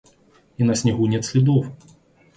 И на снегу нет следов!